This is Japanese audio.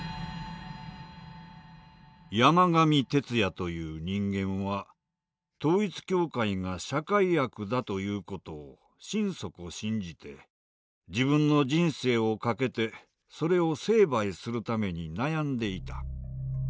山上徹也という人間は統一教会が社会悪だということを心底信じて自分の人生をかけてそれを成敗するために悩んでいた。